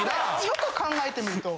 よく考えてみると。